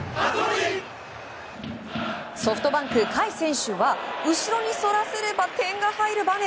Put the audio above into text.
ソフトバンク甲斐選手は後ろにそらせば点が入る場面。